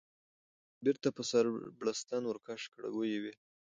خاوند: بیرته په سر بړستن ورکش کړه، ویې ویل: